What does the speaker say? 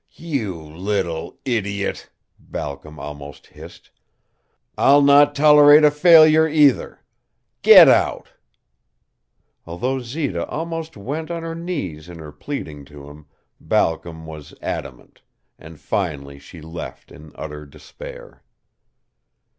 "You little idiot!" Balcom almost hissed. "I'll not tolerate a failure, either. Get out!" Although Zita almost went on her knees in her pleading to him, Balcom was adamant, and finally she left in utter despair.